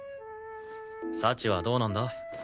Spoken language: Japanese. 幸はどうなんだ？